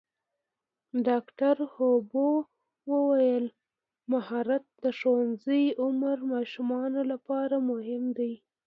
ډاکټره هومبو وویل مهارت د ښوونځي عمر ماشومانو لپاره مهم دی.